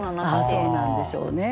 そうなんでしょうね。